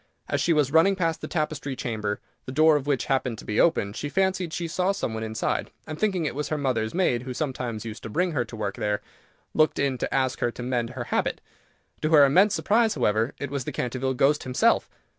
As she was running past the Tapestry Chamber, the door of which happened to be open, she fancied she saw some one inside, and thinking it was her mother's maid, who sometimes used to bring her work there, looked in to ask her to mend her habit. To her immense surprise, however, it was the Canterville Ghost himself!